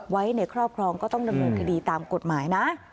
ไว้ในครอบครองก็ต้องดำเนินคดีตามกฎหมายนะ